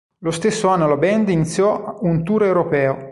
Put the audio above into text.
Lo stesso anno la band iniziò un tour europeo.